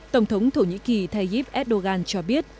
tổng thống thổ nhĩ kỳ tayyip erdogan cho biết